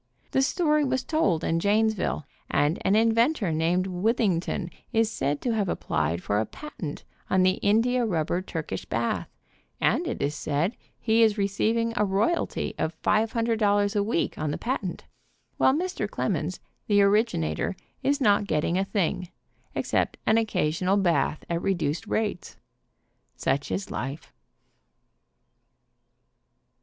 The story was told in Janesville, and an inventor named Withington is said to have applied for a patent on the india rubber Turkish bath, and it is said he is receiving a royalty of $500 a week on the patent, while Mr. demons, the originator, is not getting a thing, except an occasional bath at re duced rates. Such is life.